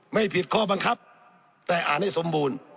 ไม่ผิดข้อบังคับแต่อ่านให้สมบูรณ์